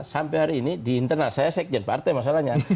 sampai hari ini di internal saya sekjen partai masalahnya